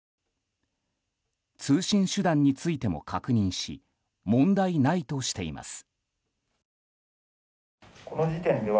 通信手段についても確認し問題ないとしています。